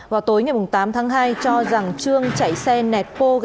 vào tối ngày tám tháng hai cho rằng trương chảy xe nẻ